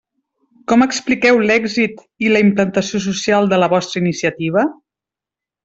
Com expliqueu l'èxit i la implantació social de la vostra iniciativa?